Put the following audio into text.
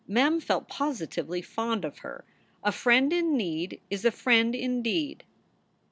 Mem felt positively fond of her; a friend in need is a friend indeed.